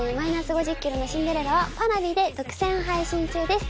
「−５０ｋｇのシンデレラ」はＰａｒａｖｉで独占配信中です